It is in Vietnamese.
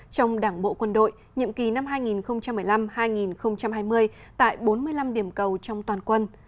trong đảng bộ quân đội nhiệm kỳ năm hai nghìn một mươi năm hai nghìn hai mươi tại bốn mươi năm điểm cầu trong toàn quân